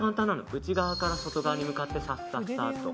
内側から外側に向かってさっさっさと。